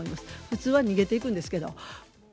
普通は逃げていくんですけど。